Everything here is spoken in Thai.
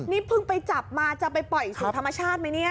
นี่เพิ่งไปจับมาจะไปปล่อยสู่ธรรมชาติไหมเนี่ย